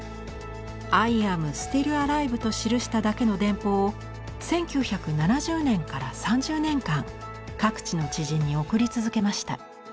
「ＩＡＭＳＴＩＬＬＡＬＩＶＥ」と記しただけの電報を１９７０年から３０年間各地の知人に送り続けました。